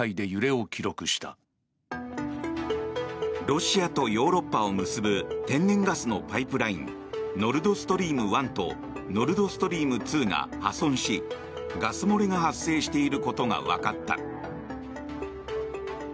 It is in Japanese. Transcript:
ロシアとヨーロッパを結ぶ天然ガスのパイプラインノルド・ストリーム１とノルド・ストリーム２が破損しガス漏れが発生していることがわかった。